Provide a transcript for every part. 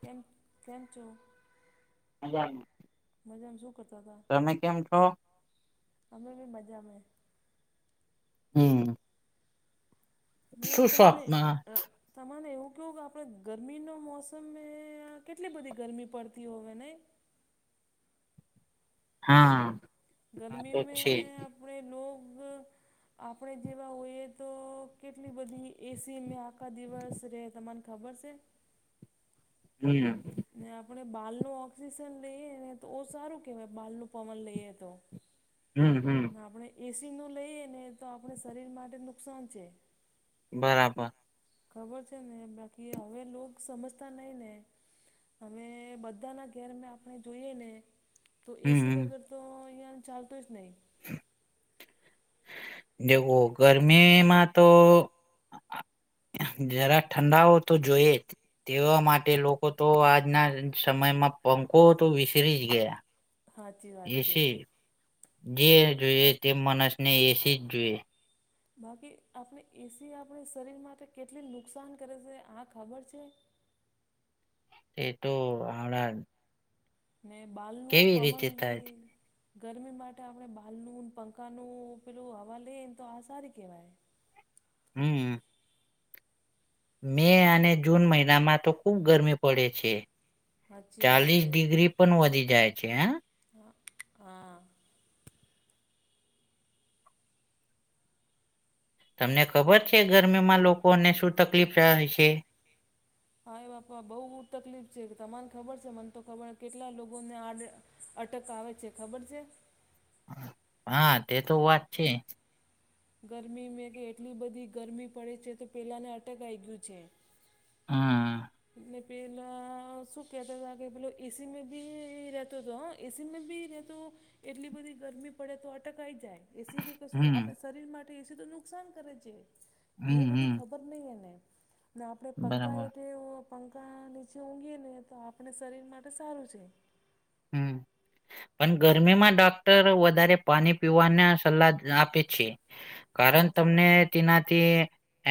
કેમ કેમ છો? મજામ મજામાં શું કરતા હતા. છો? અમે બી મજા મેં હમ્મ. મેં તમને શોપમાં અહ તમારે એવું કહવું કે આપડે ગરમીનો મોસમ એ કેટલી બધી ગરમી પડતી હોય ને? હા. આ ગરમી તો છે મેં આપડે લોગ અહ આપડે જેવા હોઈએ તો કેટલી બધી એ સી મેં આખા દિવસ રહે તમન ખબર સે? હમ્મ. ને આપણે બાળનું ઓક્સિજન લઈએ ને તો ઓ સારું કહેવાય બાળનું પવન લઈએ તો. હમ હમ્મ, હમ્મ. ના આપને એ સી નું લઈએ ને તો આપણે શરીર માટે નુકસાન છે. બરાબર. ખબર છે ને બાકી હવે લોગ સમજતા નહીં ને અમે બધાના ઘરમે આપણે જોઈએ ને તો એ હમ સી વગર તો આયા ચાલતું જ નહી. હ. ને વો ગરમીમાં તો જરા ઠંડાઓ તો જોઈએ જ. તેવા માટે લોકો તો આજના સમયમાં પંખો તો વિસરી જ ગયા સાચી વાત છે એસી જે જોઈએ તે માણસ ને એસી જ જોઈએ. બાકી આપણે એસી આપણા શરીર માટે કેટલી નુકસાન કરે છે આ ખબર છે. એ તો હણાં [unintelligible] ને બાલ નું પવન રીતે લય.. થાય છે. ગરમી માટે આપણે બાલનું પંખાનું પેલું હવા લઈએ ને તો આ સારી કહેવાય. હમ મે અને જૂન મહિનામાં તો ખુબ ગરમી પડે છે. સાચી વાત ચાલીસ છે ડિગ્રી પણ વધી છે હ.? હ હા તમને લો ખબર છે ગરમીમાં લોકોને શું તકલીફ થાય છે.? હા એ બાપા બહુ તકલીફ છે તમાને ખબર છે મને તો ખબર કેટલા લોકો ને આડ.. અટક આવે છે ખબર છે? હા તે તો વાત છે ગરમી મે કે એટલી બધી ગરમી પડે છે તો પેલાને અટક આવી ગયું છે હમ ને પહેલા સુ કેતા તા પલો એસી મે રતો હતો હ. એસીમાં બી રહે તો એટલી બધી ગરમી પડે તો અટક આઈ જાય એસી બી.. કે શું આપણે હમ શરીર માટે એસી નુકસાન કરે છે હમ એ બધી હમ ખબર નહીં એને ન આપણે પંખા બરાબર હેઠું પંખા નીચે ઊંઘીએ ને તો આપણે શરીરમાટે સારું છે. હ અને ગરમીમાં ડોક્ટર વધારે પાણી પીવાના સલાહ આપે છે. કારણ સાચી વાત તમને તેનાથી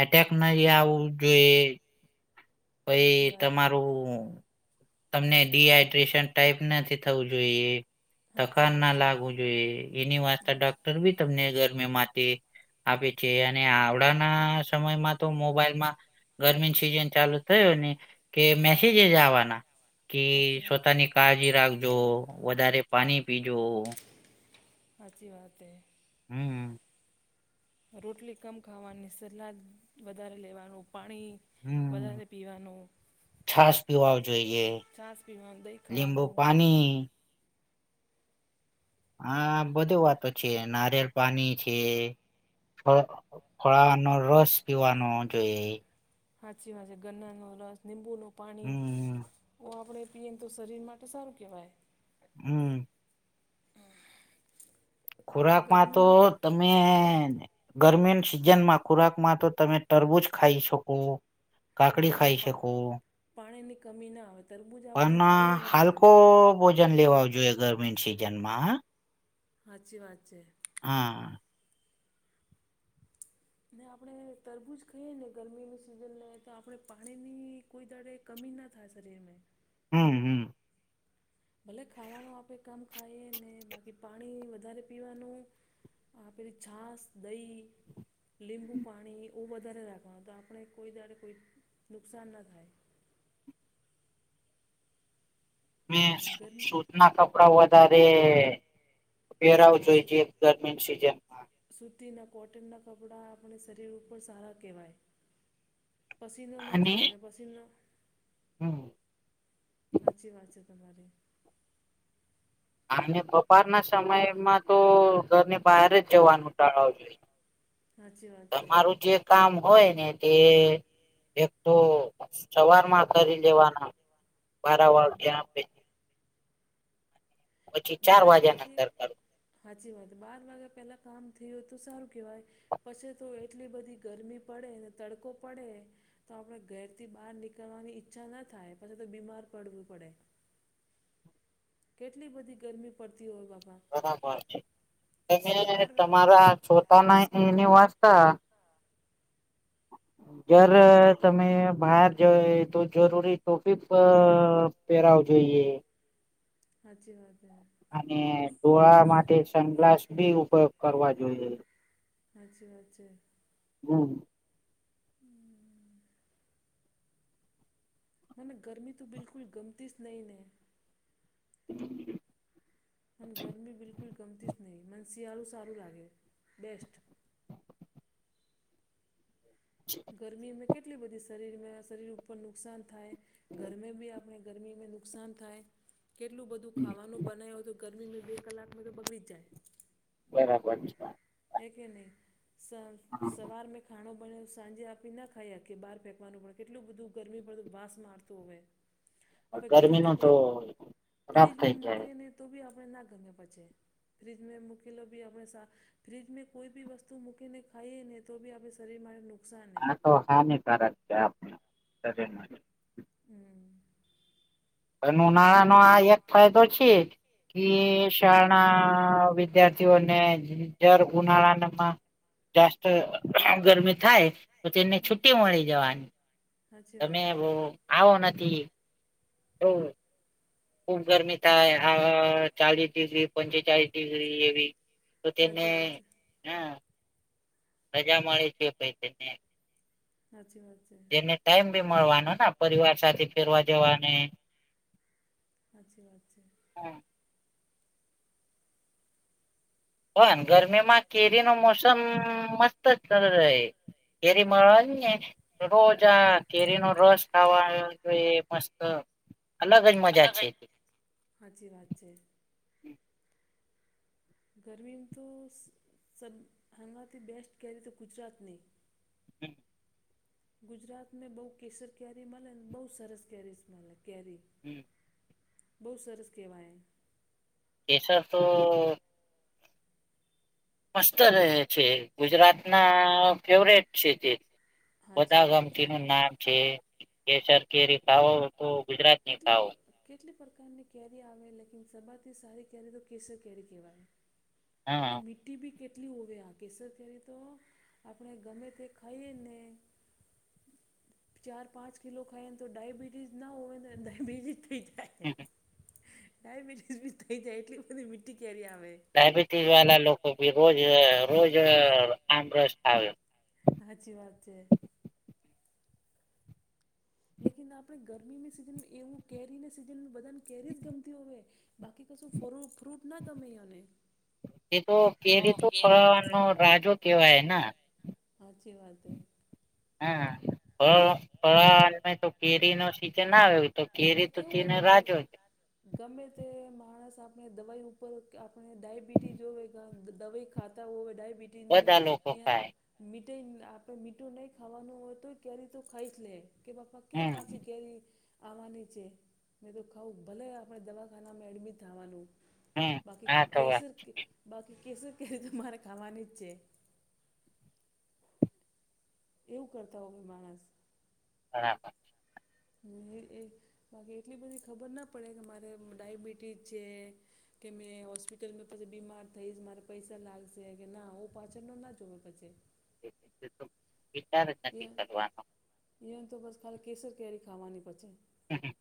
એટેક નહી આવવું જોઈએ. પહી સાચી વાત છે તમારું.. તમને ડીહાઈડ્રેશન ટાઈપ નથી થવું જોઈએ સાચી વાત થકારના છે લાગવું જોઈએ એની માટે સાચી ડોક્ટર બી તમને ઘરમે માટે.. આપી છે અને આવડાના સમયમાં તો મોબાઈલમાં ગરમીની સિઝન ચાલુજ. થયો ને કે મેસેજ એ જ આવવાના કે સાચી વાત છે સ્વતાની કાળજી રાખ.. જો વધારે પાણી પીજો.. હાચી વાત હૈ. હમ રોટલી કમ ખાવાની સલાદ વધારે લેવાનું પાણી.. હમ વધારે પીવાનું. છાસ પીવાવ જોઈએ છાસ પીવાનું દહીં લીંબુ ખાવાનું પાણી, હા બધી વાતો છે નારિયેળ પાણી છે. હ ફળાનો રસ પીવાનો જોઈએ. હાચી વાચ ગન્ના નો રસ નિમ્બુનું પાણી. હમ ઓ આપણે પીએને તો શરીર માટે સારું કહેવાય. હમ અહ ખોરાક માં તો તમે... ગરમી સિઝનમાં ખોરાક માં તો તમે તરબુજ ખાઈ શકો.. કાકડી હા ખાઈ પા શકો, પાણીની કમી ના આવે તરબૂજ આપણે પણ ખાઈએ ને હાલ કો ભોજન લેવાવ જોઈએ ગરમી સિઝન માં હ. હાચી વાત છે. હા ને આપણે તરબુજ ખાઈએ ને ગરમીની સિઝને તો આપણે પાણીની કોઈ દાડે કમી ના થાય શરીર મે. હમ હમ ભલે ખાવાનું આપે કમ ખાઈએ ને બાકી પાણી વધારે પીવાનું. આપણી છાશ, દહી. લીંબુ પાણી ઓ વધારે રાખવાનું તો આપણે કોઈ દારે કોઈ નુકસાન ના થાય. ને મેં ગરમી સૂત ના કપડા વધારે પેરાવ હા જોઈ સુ જે એક ગરમીની સિઝન સૂતીના કોટનનાં કપડાં આપણે શરીર ઉપર સારા કહેવાય. પસીનો ના અને થાય ને પસીનો હમ હાચી વાત છે તમારી. આમને બપાર ના સમયમાં તો ઘરની બહાર જ જવાનું. ટાળવું જોઈ. સાચી વાત છે તમારું જે કામ હોય ને તે એક તો સવારમાં કરી લેવાના વારા વાર હમ જ્યાં પછી ચાર બાર વાગ્યા વાગે ના અંદર કરું. હાચી વાત. બાર વાગે પેલા કામ થયું હોય તો સારું કેવાય. પછી તો એટલી બધી ગરમી પડે, ને તડકો પડે. તો આપણે ઘેરથી બહાર નીકળવાની ઈચ્છા ન થાય. પછી તો બીમાર પડવું પડે. કેટલી બધી ગરમી પડતી હોય બાપા. બરાબર છે. તમે બાર વા તમારા છોતાના એની વાંચતા [inaudible] જર તમે બહાર જય તો જરૂરી ટોફી પ પહેરાવ જોઈએ. હાચી વાત હે. અને ધોળા માટે સનગ્લાસ બી ઉપયોગ કરવા જોઈએ. હાચી વાત છે. હમ હમ મને ગરમી તો બિલકુલ ગમતી જ નહીં ને. [inaudible] મન ગરમી બિલકુલ ગમતી જ નહી. મન શિયાળુ સારું લાગે બેસ્ટ. જ ગરમીમાં કેટલી બધી શરીર મેં શરીર ઉપર નુકસાન થાય. ગરમે બી આપણે ગરમી મેં નુકસાન થાય. કેટલું બધું ખાવાનું બનાવ હોય તો ગરમી મેં બે કલાક મેં તો બગડી જાય. બરાબર છે. હૈ કે નહીં? સ હા સવાર મેં ખાણો પણ સાંજે આપી ના ખાઈ કે બહાર ફેંવાનું પણ કેટલું બધું ગરમી પડે તો વાસ મારતું હોવે. આપે ગમે ગરમી તે ન ભલે તો ખરાબ થઈ ફ્રીજમાં જાય મૂકીને તો બી આપણે ના ગમે પછી. ફ્રીજમાં મૂકીલો બી આપણે સા ફ્રીજ મે કોઈ બી વસ્તુ મૂકીને ખાઇએ ને તો બી આપણે શરીર માટે નુકસાન હૈ. આ તો હાનિકારક છે આપને શરીર માટે. હમ પણ ઉનાળાનો આ એક ફાયદો છે કે હમ શ ના વિદ્યાર્થીઓને દર ઉનાળાનમાં જાસ્ત ગરમી થાય તો તેને છુટ્ટી મળી જવાની હા સાચી તમે વાત હે બઉ આવો નથી તો ખુબ ગરમી થાય આ ચાલીસ ડિગ્રી પંચ ચાલીસ ડિગ્રી એવી તો તેમને સાચી વાત છે હ રજા મળે છે પઈ તેમને હાચી વાત છે. ને ટાઈમ બી મળવાનોન પરિવાર સાથે ફેરવા જવાને હાચી વાત છે. હન ગરમીમાં કેરીનો મોસમ મસ્ત જ રહે. કેરી હા મળવાનીને રોજ અ કેરીનો રસ ખાવા પહી મસ્ત અલગ જ મ જા છે. હાચી વાત છે. ગરમીમ તો સ હમાંથી બેસ્ટ કેરી તો ગુજરાતની [unintelligible] ગુજરાતને બહુ કેસર કેરી મલે ને બહુ સરસ કેરી મલે કેરી હમ્મ. બોવ સરસ કેવાય. કેસર તો મસ્ત રહે છે ગુજરાતના ફેવરેટ છે તે સાચી બધા વાત હે વમતીનું નામ છે કેસર કેરી ભાવ કેટલી કેટલી પ્રકારની કેરી આવે લેકિન સવારથી સારી કેરી તો કેસર કેરી કેવાય. હા. મીઠી બી કેટલી હોવે આ કેસર કેરી તો આપણે ગમે તે ખાઈએને ચાર-પાંચ કિલો ખાયન તો ડાયબિટીસ ના હોય તો ડાયબિટીસ થઈ [unintelligible] ડાયબિટીસ બી થઈ જાય એટલી બધી મીઠી કેરી આવે. ડાયાબિટીસવાળા લોકો બી રોજ રોજ આમરસ ખાવે. હાચી વાત છે. લેકીન આપડે ગરમીની સીઝન એવું કેરીને સીઝન બધાને કેરી જ ગમતી હોવે બાકી કશું ફરુ ફ્રૂટના ગમે અને એ તો કેરી તો ફળોનો રાજો કેવાયના હાચી વાત હે. હા, [unintelligible] કેરીનો સિઝન ના હોય તો ને કેરી કેવું તૂટીને ગમ રાજો. ગમે તે માણસ આપણે દવાઈ ઉપર ક આપણે ડાયાબિટી જોવે ગા દવાઈ ખાતા હોય ડાયાબિટીની બધા લોકો ખાય [unintelligible] મીટયન આપડે મીઠું નય ખાવાનું હોય તોય ત્યારે તો ખાય જ લે કે બાપા હમ પછી કે આવાની છે મે તો ખાવ ભલે આપડે દવાખાનામાં એડમિટ થાવાનું હમ બાકી હા તો વાત કેસર બાકી કેસરકે રીતે મારે ખાવાની જ છે. એવું કરતા હોય માણસ. બરાબર. હ, બાકી એટલી બધી ખબર ના પડે કે મારે ડાયબિટીસ છે. કે મેં હોસ્પિટલમાં પછી બીમાર થઈશ મારે પૈસા લાગશે કે ના હું પાછળનો ના જોમેં પછી. વિચાર જ નથી કરવાનો. એમ તો બસ ખાલી કેસર કેરી ખાવાની પાછે. હમ્મ હમ્મ.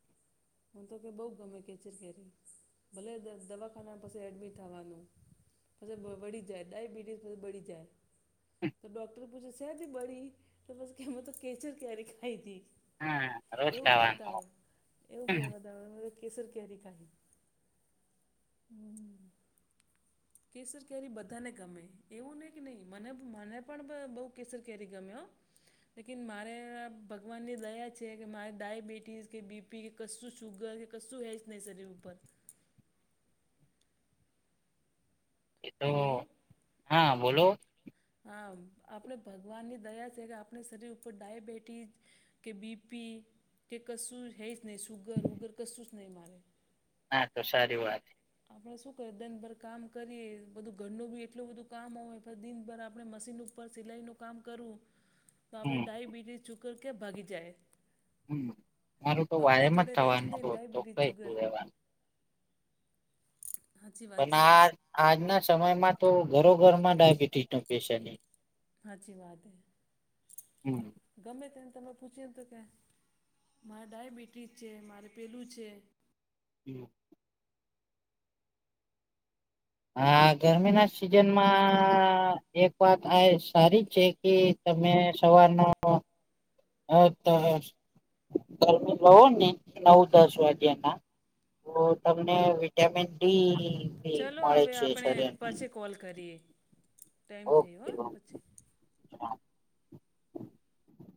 હું તો કે બહુ ગમે કેચર કેરી. ભલે દ-દવાખાના પાસે એડમિટ થવાનું. [unintelligible] બળી જાય, ડાયાબિટીસમાં મોં બળી જાય. તો ડૉક્ટર પૂછે શેના થી બળી તો પછી અમે તો કેસર કેરી ખાઈ થી. હા રોજ એવું ખાવાનો કરતા હોય એવું કેહવતા હોય એ કેસર કેરી ખાદી. કેસર કેરી બધાને ગમે, એવું નહીં કે નહીં મને મને પણ પ બહુ કેસર કેરી ગમે હ. લેકિન મારે ભગવાનની દયા છે કે મારે ડાયાબિટીસ કે બી પી કશું સુગર કશું હેજ નહીં શરીર ઉપર. એ તો હેલો હા, બોલો. હા, આપણે ભગવાનની દયા છે કે આપણે શરીર ઉપર ડાયબિટીઝ કે બી પી, કે કશું હે જ નહી સુુગર ઉગર કશું જ નહીં મારે. ના તો સારી વાત. આપડે શું કરીએ? દિનભર કામ કરીએ બધું ઘરનું બી એટલું બધું કામ હોય દિનભર આપડે મશીન નું ઉપર સિલાઈનું કામ કરવું. તો આપડે હમ ડાાયબિટીસ શુકર કે ભાગી જાય. હમ મારું તો આપડા વાયમ જ જોડે રહીશ થવાનું ને રોજ તો ડયાબિટીસ કઈ જુગર રહેવાનું હાચી વાત પણ છે. આ આજના સમયમાં તો ઘરો ઘરમાં ડયાબિટીસ નું પેશન્ટ હે. સાચી વાત હે. હમ ગમે તેને તમે પૂછ્યું એમ, તો કે મારે ડાયાબિટીસ છે, મારે પેલું છે. હમ્મ. હા, ગરમી ના સિઝનમાં એક વાત આ સારી છે કે તમે સવારનો હા તો ગરમી બહુ ને નવ દસ વાગ્યા ના ઓ તમને વિટામિન ડી બી ચાલો મળે હવે છે આપણે શરીરને પછી કોલ કરીએ ટાઈમ થયો ઓકે હા ઓકે. પછી. [unintelligible]